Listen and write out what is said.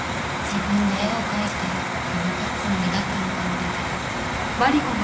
自分で絵を描いてごまかすつもりだったのかもだけど。